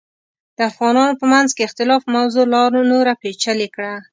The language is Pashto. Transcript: د افغانانو په منځ کې اختلاف موضوع لا نوره پیچلې کړه.